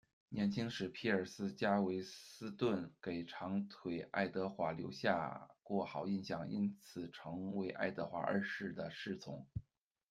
年轻时，皮尔斯·加韦斯顿给长腿爱德华留下过好印象，因此成为爱德华二世的侍从。